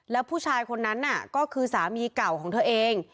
แล้วผู้ชายคนนั้นน่ะก็คือสามีเก่าของเธอเอง